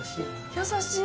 優しい。